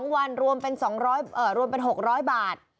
๒วันรวมเป็น๖๐๐บาท